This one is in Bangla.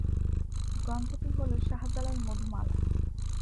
গ্রন্থটি হল "শাহজালাল-মধুমালা"।